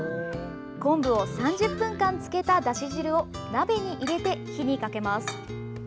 昆布を３０分間つけただし汁を鍋に入れて火にかけます。